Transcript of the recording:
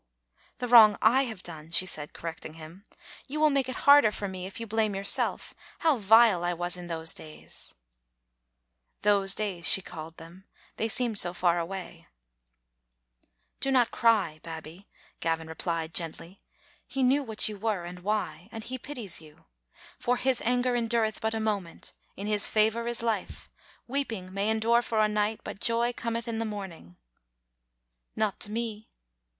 " The wrong I have done, " she said, correcting him. " You will make it harder for me if you blame your self. How vile I was in those days!" Digitized by VjOOQ IC Xcnbing to tbe Bppallittd Aattiaae* 969 "Those days," she called them, they seemed so far away. "Do not cry, Babbie," Gavin replied, gently. "He knew what yon were, and why, and He pities you. *For His anger endnreth but a moment: in His favor is life: weeping may endure for a night, but joy cometh in the morning.' " "Not to me."